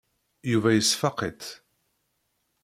Yuba yesfaq-itt.